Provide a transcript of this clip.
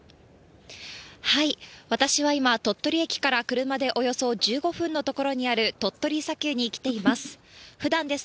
私は今、鳥取駅から車でおよそ１５分の所にある鳥取砂丘に来ています。